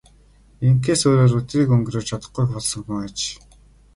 Ингэхээс өөрөөр өдрийг өнгөрөөж чадахгүй болсон хүн аж.